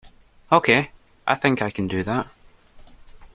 Okay, I think I can do that.